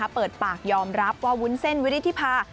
เปิดปากยอมรับว่าวุ้นเส้นวิริธิภา